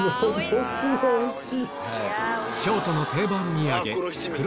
京都の定番土産